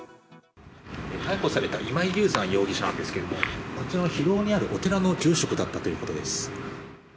逮捕された今井雄山容疑者ですがこの広尾にあるお寺の住職だったということです。